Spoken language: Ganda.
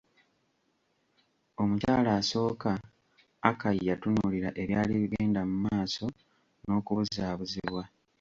Omukyala asooka, Akai, yatunulira ebyali bigenda mu maaso n'okubuzabuzibwa.